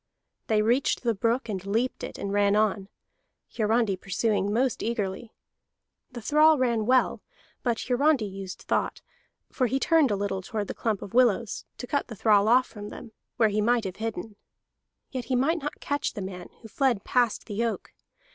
They reached the brook, and leaped it, and ran on, Hiarandi pursuing most eagerly. The thrall ran well, but Hiarandi used thought; for he turned a little toward the clump of willows, and cut the thrall off from them, where he might have hidden. Yet he might not catch the man, who fled past the oak.